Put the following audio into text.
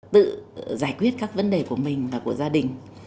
tự giải quyết các vấn đề của mình và của gia đình